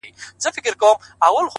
• نه سلمان وم نه په برخه مي خواري وه ,